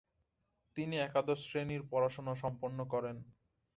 তিনি একাদশ শ্রেণির পড়াশোনা সম্পন্ন করেন।